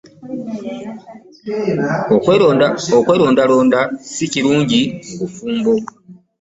Okwerondalonda si kirungi mu bufumbo.